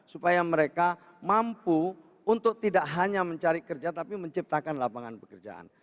supaya mereka mampu untuk tidak hanya mencari kerja tapi menciptakan lapangan pekerjaan